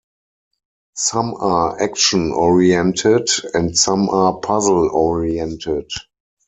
Some are action-oriented and some are puzzle-oriented.